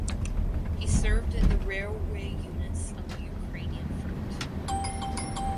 He served in the railway units on the Ukrainian Front.